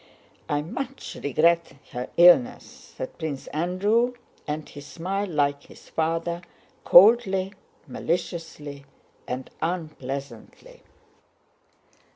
"I much regret her illness," said Prince Andrew; and he smiled like his father, coldly, maliciously, and unpleasantly.